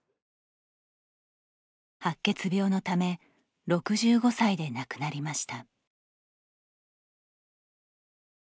白血病のため６５歳で亡くなりました。